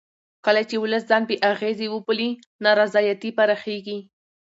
کله چې ولس ځان بې اغېزې وبولي نا رضایتي پراخېږي